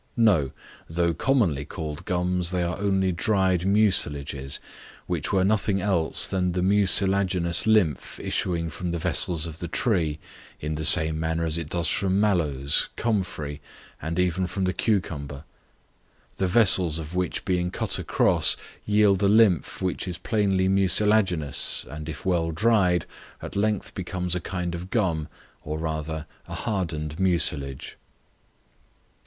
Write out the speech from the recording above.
No, though commonly called gums, they are only dried mucilages, which were nothing else than the mucilaginous lymph issuing from the vessels of the tree, in the same manner as it does from mallows, comfrey, and even from the cucumber; the vessels of which being cut across, yield a lymph which is plainly mucilaginous, and if well dried, at length becomes a kind of gum, or rather, a hardened mucilage.